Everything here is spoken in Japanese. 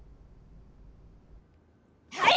はい！